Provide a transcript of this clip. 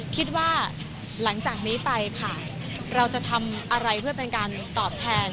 คิดว่าหลังจากนี้ไปค่ะเราจะทำอะไรเพื่อเป็นการตอบแทน